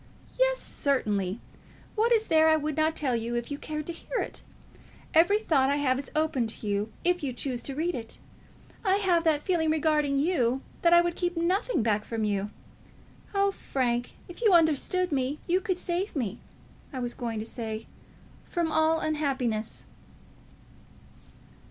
"Yes; certainly. What is there that I would not tell you if you cared to hear it? Every thought I have is open to you if you choose to read it. I have that feeling regarding you that I would keep nothing back from you. Oh, Frank, if you understood me, you could save me, I was going to say from all unhappiness."